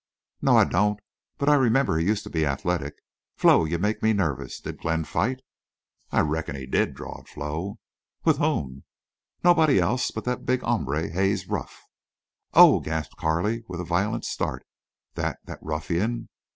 "No, I don't. But I remember he used to be athletic. Flo, you make me nervous. Did Glenn fight?" "I reckon he did," drawled Flo. "With whom?" "Nobody else but that big hombre, Haze Ruff." "Oh!" gasped Carley, with a violent start. "That—that ruffian!